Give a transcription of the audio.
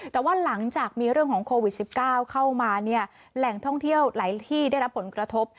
แต่ว่าหลังจากมีเรื่องของโควิด๑๙เข้ามาเนี่ยแหล่งท่องเที่ยวหลายที่ได้รับผลกระทบ